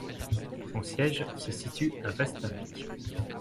Son siège se situe à Västervik.